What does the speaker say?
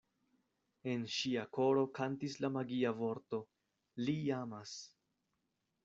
En ŝia koro kantis la magia vorto: „Li amas!